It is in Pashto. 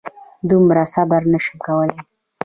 دومره صبر نه شم کولی.